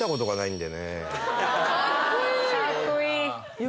うわカッコいい。